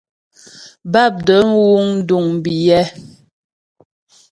Bápdəm wúŋ duŋ biyɛ́.